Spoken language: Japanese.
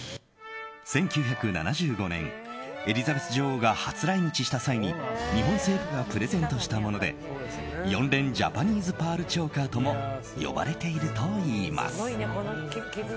１９７５年エリザベス女王が初来日した際に日本政府がプレゼントしたもので４連ジャパニーズパールチョーカーとも呼ばれているといいます。